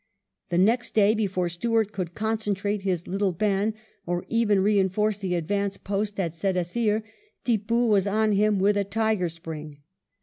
The next day, before Stuart could concentrate his little band, or even reinforce the advanced post at Sedaseer, Tippoo was on him with a tiger spring.